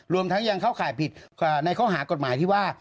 รวมทั้งยังเข้าข่ายผิดในข้อหากฎหมายที่ว่า